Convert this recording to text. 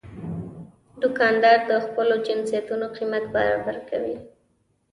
دوکاندار د خپلو جنسونو قیمت برابر کوي.